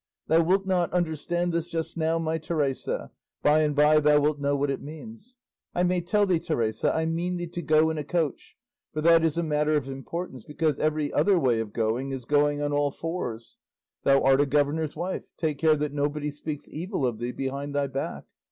Thou wilt not understand this just now, my Teresa; by and by thou wilt know what it means. I may tell thee, Teresa, I mean thee to go in a coach, for that is a matter of importance, because every other way of going is going on all fours. Thou art a governor's wife; take care that nobody speaks evil of thee behind thy back.